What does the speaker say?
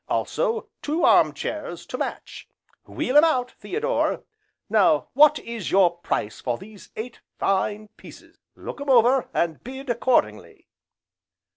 Also two arm chairs to match, wheel 'em out, Theodore! Now what is your price for these eight fine pieces, look 'em over and bid accordingly."